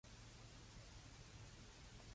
人地意思本來就唔係咁